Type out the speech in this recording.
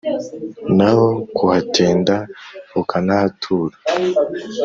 n’aho kuhatinda ukanahatura